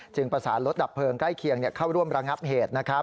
ประสานรถดับเพลิงใกล้เคียงเข้าร่วมระงับเหตุ